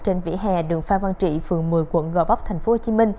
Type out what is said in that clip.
trên vỉa hè đường phan văn trị phường một mươi quận gò vấp tp hcm